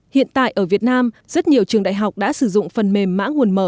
hiện tại ở việt nam rất nhiều trường đại học đã sử dụng phần mềm mã nguồn mở